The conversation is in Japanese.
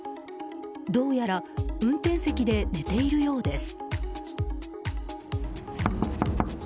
どうやら運転席で寝ているようです。